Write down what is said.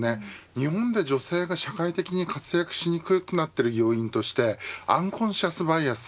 日本で女性が社会的に活躍しにくくなっている要因としてアンコンシャスバイアス。